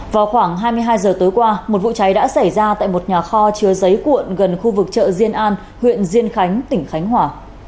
vào khoảng hai mươi hai giờ tối qua một vụ cháy đã xảy ra tại một nhà kho chứa giấy cuộn gần khu vực chợ diên an huyện diên khánh tỉnh khánh hòa